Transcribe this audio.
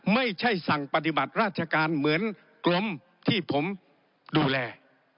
ไม่ใช่สั่งปฏิบัติราชการเหมือนกรมที่ผมดูแล